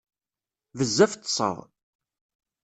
Bezzaf ṭṭseɣ.